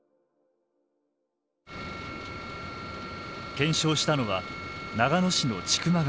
検証したのは長野市の千曲川。